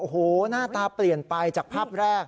โอ้โหหน้าตาเปลี่ยนไปจากภาพแรก